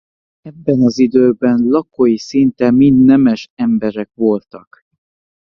Ebben az időben lakói szinte mind nemes emberek voltak.